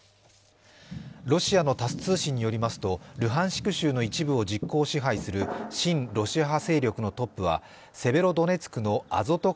ロシアのタス通信によりますと、ルハンシク州の一部を実効支配する親ロシア派勢力のトップはセベロドネツクのアゾト